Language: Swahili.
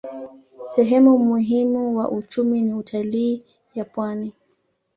Sehemu muhimu wa uchumi ni utalii ya pwani.